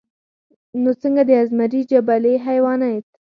نو څنګه د ازمري جبلي حېوانيت